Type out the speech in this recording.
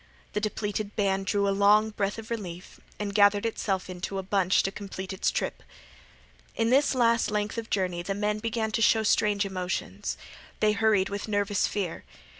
The depleted band drew a long breath of relief and gathered itself into a bunch to complete its trip. In this last length of journey the men began to show strange emotions. They hurried with nervous fear.